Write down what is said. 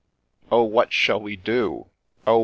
—' Oh ! what shall we do ?— Oh